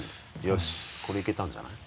よしこれいけたんじゃない？